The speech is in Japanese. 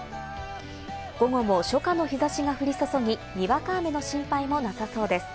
午後も初夏の日差しが降り注ぎ、にわか雨の心配もなさそうです。